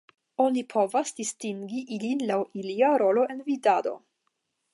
Oni povas distingi ilin laŭ ilia rolo en vidado.